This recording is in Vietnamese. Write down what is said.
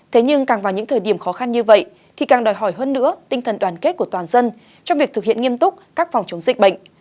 thế nhưng càng vào những thời điểm khó khăn như vậy thì càng đòi hỏi hơn nữa tinh thần đoàn kết của toàn dân trong việc thực hiện nghiêm túc các phòng chống dịch bệnh